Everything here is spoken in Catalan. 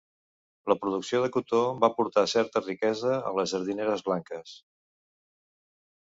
La producció de cotó va aportar certa riquesa a les jardineres blanques.